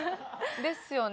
ですよね。